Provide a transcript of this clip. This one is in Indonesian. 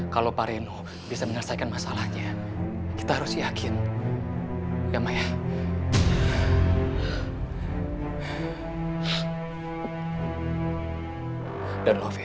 kalau tapi yang ook jadi seperti beri sini